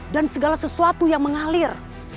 dan segala sesuatu yang mengalir